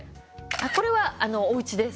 これは、おうちです。